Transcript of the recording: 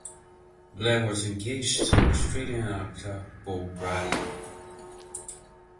Blair was engaged to Australian actor Beau Brady.